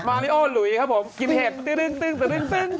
มาริโอหลุยครับผมกินเผ็ด